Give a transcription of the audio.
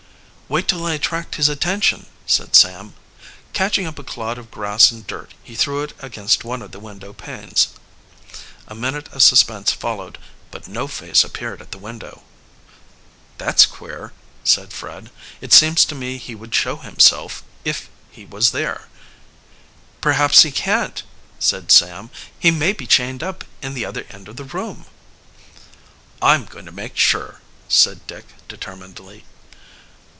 "Wait till I attract his attention," said Sam. Catching up a clod of grass and dirt he threw it against one of the window panes. A minute of suspense followed, but no face appeared at the window. "That's queer," said Fred. "It seems to me he would show himself if he was there." "Perhaps he, can't," said Sam. "He may be chained up in the other end of the room." "I'm going to make sure," said Dick determinedly.